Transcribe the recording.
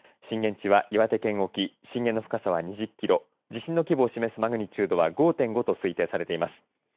震源地は岩手県沖震源の深さは２０キロ地震の規模を示すマグニチュードは５．５と推定されています。